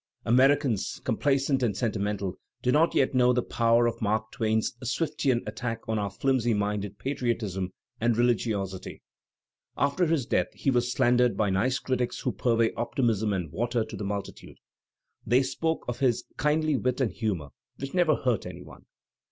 Digitized by Google MARK TWAIN 269 Americans, complaisant and sentimental, do not yet know the power of Mark Twain's Swiftian attacks on our flimi^ minded patriotism and religiosity. After his death he was slandered by nice critics who purvey optimism and water to the multitude; they spoke of his ^'kindly wit and humour which never hurt any one.